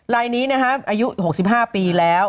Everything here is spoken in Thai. ลายนี้นะครับอายุ๖๕ปีแล้ว